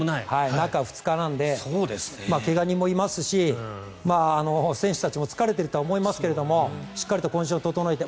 中２日なので怪我人もいますし選手たちも疲れているとは思いますけどしっかりとコンディションを整えて。